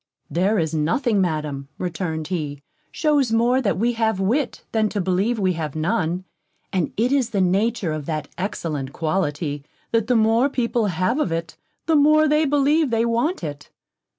"There is nothing, Madam," returned he, "shews more that we have wit, than to believe we have none; and it is the nature of that excellent quality, that the more people have of it, the more they believe they want it."